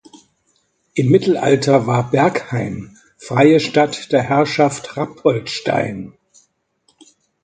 Im Mittelalter war Bergheim freie Stadt der Herrschaft Rappoltstein.